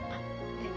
えっ？